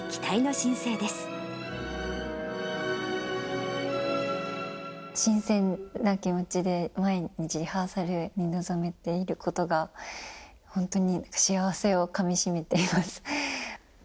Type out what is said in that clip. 新鮮な気持ちで毎日リハーサルに臨めていることが本当に幸せをかみしめています。